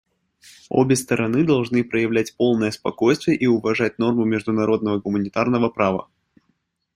Обе стороны должны проявлять полное спокойствие и уважать нормы международного гуманитарного права.